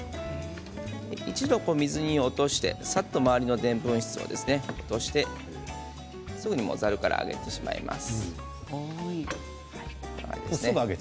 一度、水に落としてさっと周りのでんぷん質を落としてすぐにざるから上げてしまいます。